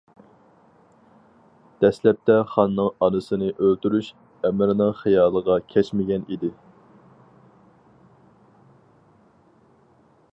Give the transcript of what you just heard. دەسلەپتە خاننىڭ ئانىسىنى ئۆلتۈرۈش ئەمىرنىڭ خىيالىغا كەچمىگەن ئىدى.